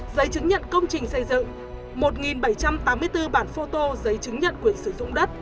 giấy chứng nhận công trình xây dựng một bảy trăm tám mươi bốn bản phô tô giấy chứng nhận quyền sử dụng đất